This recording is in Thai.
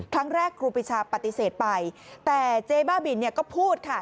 ครั้งแรกครูปิชาปฏิเสธไปแต่เจ้าบ้าบินเนี่ยก็พูดค่ะ